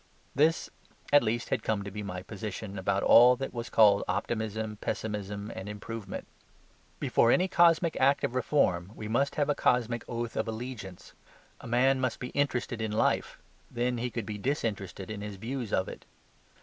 This at least had come to be my position about all that was called optimism, pessimism, and improvement. Before any cosmic act of reform we must have a cosmic oath of allegiance. A man must be interested in life, then he could be disinterested in his views of it.